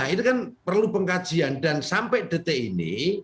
itu kan perlu pengkajian dan sampai detik ini